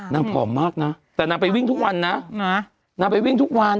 ผอมมากนะแต่นางไปวิ่งทุกวันนะนางไปวิ่งทุกวัน